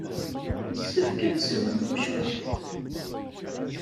Yessefk ad tesgunfu cwiṭ.